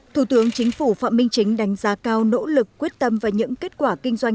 thủ tướng chính phủ phạm minh chính đánh giá cao nỗ lực quyết tâm và những kết quả kinh doanh